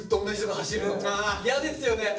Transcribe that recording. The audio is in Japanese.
嫌ですよね。